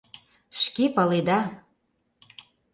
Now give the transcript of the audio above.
— Шке паледа.